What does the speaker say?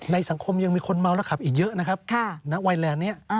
ในสังคมยังมีคนเมาแล้วขับอีกเยอะนะครับดนตรานาไวน์แลนด์เนี่ย